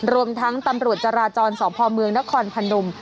รวมทั้งตำรวจจราจรสพเมืองนครพนม